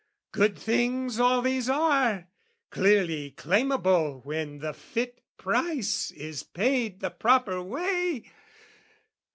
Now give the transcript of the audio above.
Good things all these are, clearly claimable When the fit price is paid the proper way.